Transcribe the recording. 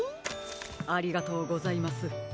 ありがとうございます。